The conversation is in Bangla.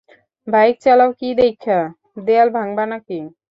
বাইক চালাও দেইক্ষা কি, দেয়াল ভাঙবা নাকি।